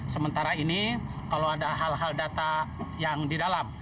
sementara ini kalau ada hal hal data yang di dalam